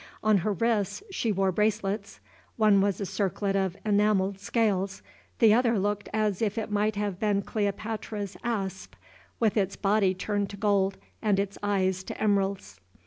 On her wrists she wore bracelets: one was a circlet of enamelled scales; the other looked as if it might have been Cleopatra's asp, with its body turned to gold and its eyes to emeralds.